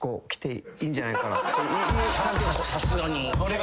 さすがに。